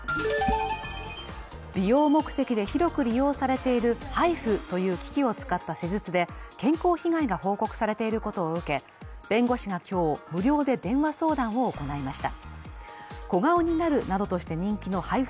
美容目的で広く利用されているＨＩＦＵという機器を使った施術で健康被害が報告されていることを受け、弁護士が今日、無料で電話相談を行いました。